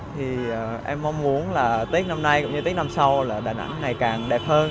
thì em mong muốn là tết năm nay cũng như tết năm sau là đà nẵng ngày càng đẹp hơn